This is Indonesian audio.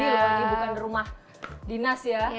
ini lagi bukan rumah dinas ya